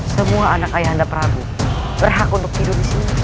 semua anak ayah anda prabu berhak untuk tidur disini